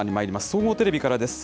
総合テレビからです。